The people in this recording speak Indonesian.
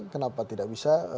kenapa tidak bisa